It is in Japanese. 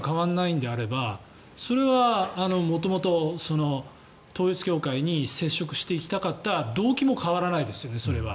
器が変わっても中身が変わらないのであればそれは元々、統一教会に接触していきたかった動機も変わらないですよね。